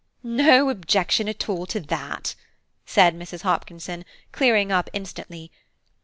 "No objection at all to that," said Mrs. Hopkinson, clearing up instantly.